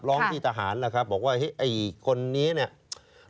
ร้องที่ทหารแล้วครับบอกว่าไอ้คนนี้เนี่ย